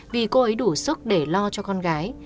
vì cô ấy đủ sức để lo cho con gái